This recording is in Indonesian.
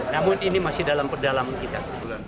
namun ini masih dalam pendalaman kita